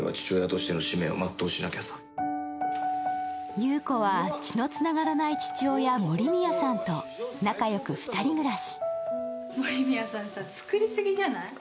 優子は血のつながらない父親、森宮さんと仲良く２人暮らし。